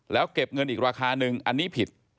แล้วเก็บเงินอีกราคานึงอันนี้ผิด